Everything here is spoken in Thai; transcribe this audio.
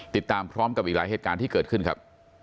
ติดตามพร้อมกับอีกหลายเหตุการณ์ที่เกิดขึ้นครับ